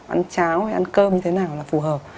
ăn cháo hay ăn cơm thế nào là phù hợp